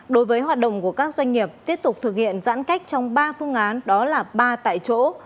đối với hoạt động của các doanh nghiệp tiếp tục thực hiện giãn cách trong ba phương án đó là ba tại chỗ